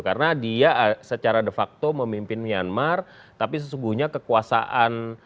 karena dia secara de facto memimpin myanmar tapi sesungguhnya kekuasaan